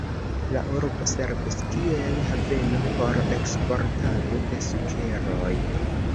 La urbo servis kiel haveno por eksportado de sukeroj.